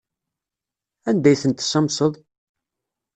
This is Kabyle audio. Anda ay tent-tessamseḍ?